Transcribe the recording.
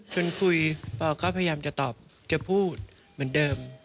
คุยปอก็พยายามจะตอบจะพูดเหมือนเดิม